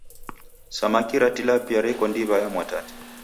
Samaki ra Tilapia reko ndiw'a ya Mwatate.